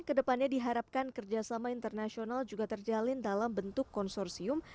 kedepannya diharapkan kerjasama internasional juga terjalin dalam bentuk konsorsium